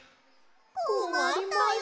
こまったよ。